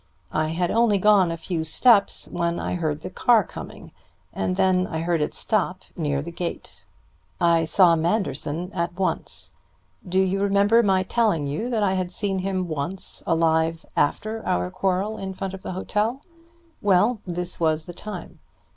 I had only gone a few steps when I heard the car coming, and then I heard it stop near the gate. I saw Manderson at once. Do you remember my telling you I had seen him once alive after our quarrel in front of the hotel? Well, this was the time.